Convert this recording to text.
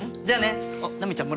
じゃあね。